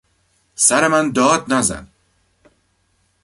سر من داد نزن!